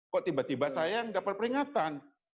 kok tiba tiba saya yang dapat peringatan